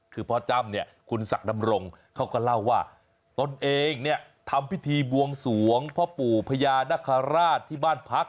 คือพ่อจ้ำเนี่ยคุณศักดำรงเขาก็เล่าว่าตนเองเนี่ยทำพิธีบวงสวงพ่อปู่พญานคราชที่บ้านพัก